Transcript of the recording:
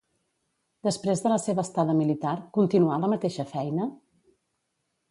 Després de la seva estada militar, continuà a la mateixa feina?